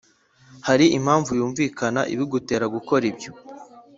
hari impamvu yumvikana ibigutera gukora ibyo